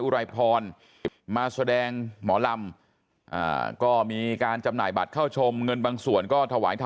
รายพรมาแสดงหมอลำก็มีการจำหน่ายบัตรเข้าชมเงินบางส่วนก็ถวายทำ